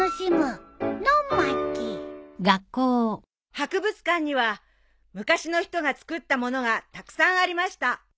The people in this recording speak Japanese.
「博物館には昔の人が作ったものがたくさんありました」